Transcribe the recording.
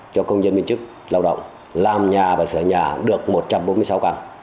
cho công nhân viên chức lao động làm nhà và sửa nhà được một trăm bốn mươi sáu căn